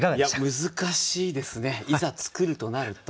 難しいですねいざ作るとなると。